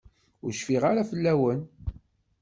Ur cfiɣ ara fell-awen.